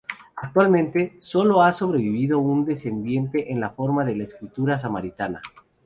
Actualmente, sólo ha sobrevivido un descendiente en la forma de la escritura samaritana.